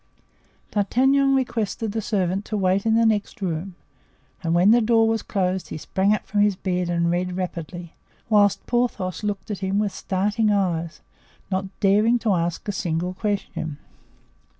D'Artagnan requested the servant to wait in the next room and when the door was closed he sprang up from his bed and read rapidly, whilst Porthos looked at him with starting eyes, not daring to ask a single question.